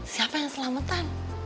siapa yang selamatan